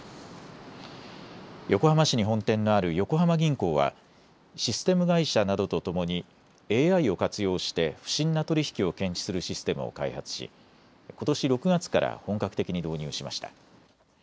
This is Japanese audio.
横浜市に本店のある横浜銀行はシステム会社などとともにＡＩを活用して不審な取り引きを検知するシステムを開発しことし６月から本格的に導入しました。